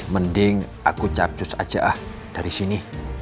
mending aku capcus aja ah dari sini